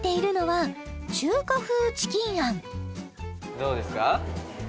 別にどうですか？